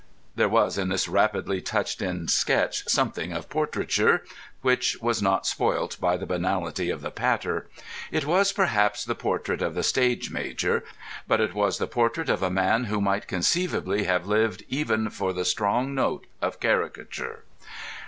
There was in this rapidly touched in sketch something of portraiture which was not spoilt by the banality of the patter. It was, perhaps, the portrait of the stage major, but it was the portrait of a man who might conceivably have lived even for the strong note of caricature.